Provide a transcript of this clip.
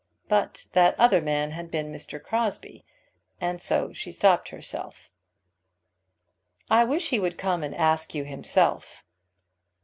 But that other man had been Mr. Crosbie, and so she stopped herself. "I wish he would come and ask you himself."